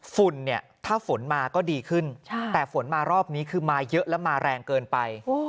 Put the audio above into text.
ฝุ่นเนี่ยถ้าฝนมาก็ดีขึ้นแต่ฝนมารอบนี้คือมาเยอะแล้วมาแรงเกินไป